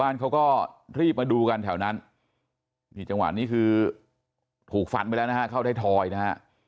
บ้านเขาก็รีบมาดูกันแถวนั้นนี่จังหวะนี้คือถูกฟันไปแล้วนะฮะเข้าไทยทอยนะฮะ